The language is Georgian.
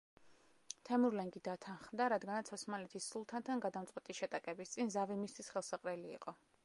თემურლენგი დათანხმდა, რადგანაც ოსმალეთის სულთანთან გადამწყვეტი შეტაკების წინ ზავი მისთვის ხელსაყრელი იყო.